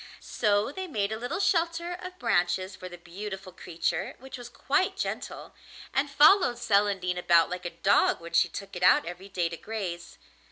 So they made a little shelter of branches for the beautiful creature which was quite gentle, and followed Celandine about like a dog when she took it out every day to graze.